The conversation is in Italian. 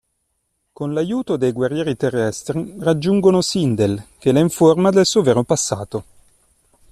Con l'aiuto dei guerrieri terrestri raggiungono Sindel che la informa del suo vero passato.